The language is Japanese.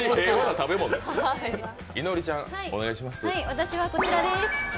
私はこちらです。